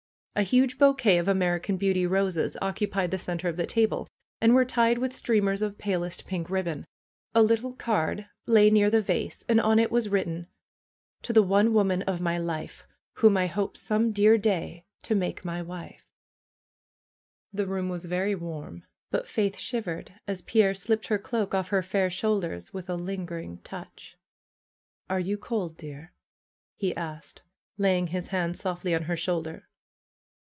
A huge bouquet of American Beauty roses oc cupied the center of the table, and were tied with streamers of palest pink ribbon. A little card lay near the vase, and on it was written ''To the one woman of my life ! Whom 1 hope some dear day to make my wife !" FAITH m The room was very warm. But Faith shivered as Pierre slipped her cloak off her fair shoulders with a lingering touch. '^Are you cold, dear?" he asked, laying his hand softly on her shoulder.